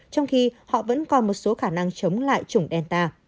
trong khi họ vẫn còn một số khả năng chống lại chủng delta